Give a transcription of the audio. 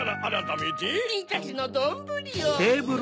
ミーたちのどんぶりを。